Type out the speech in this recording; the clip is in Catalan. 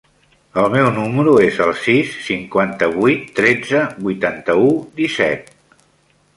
El meu número es el sis, cinquanta-vuit, tretze, vuitanta-u, disset.